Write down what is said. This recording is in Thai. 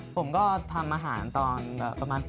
ผมก็ทำอาหารตอนประมาณ